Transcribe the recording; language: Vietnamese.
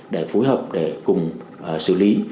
để phối hợp để cùng xử lý